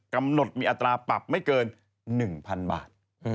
กำหนดมีอัตราปรับไม่เกิน๑๐๐๐บาท